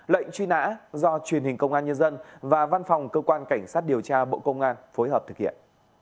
lệnh truy nã do truyền hình công an nhân dân và văn phòng cơ quan cảnh sát điều tra bộ công an phối hợp thực hiện